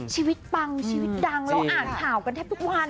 ปังชีวิตดังเราอ่านข่าวกันแทบทุกวัน